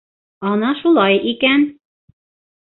— Ана шулай икән!